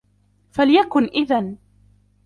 فليكن إذن!